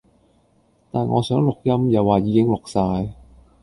但我想錄音又話已經錄晒